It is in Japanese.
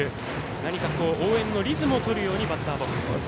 何か応援のリズムを取るようにバッターボックス。